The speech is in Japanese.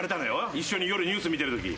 一緒に夜ニュース見てるとき。